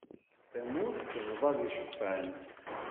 Tamurt tebḍa d iceqfan.